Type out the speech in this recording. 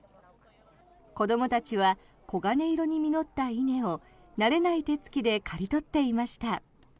子どもたちは黄金色に実った稲を慣れない手付きで刈り取っていました。